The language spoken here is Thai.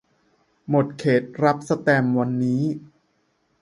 หมดเขตรับสแตมป์วันนี้